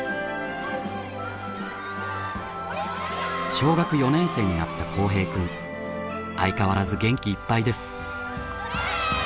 小学４年生になった幸平くん。相変わらず元気いっぱいです。